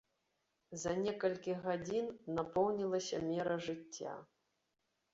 За некалькі гадзін напоўнілася мера жыцця.